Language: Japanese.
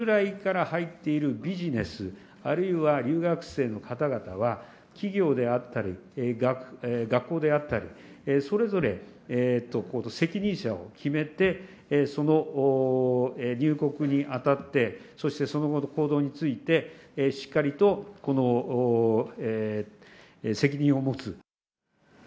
従来から入っているビジネスあるいは留学生の方々は、企業であったり、学校であったり、それぞれ責任者を決めて、その入国にあたって、そしてその後の行動について、しっかりと責任を持つ。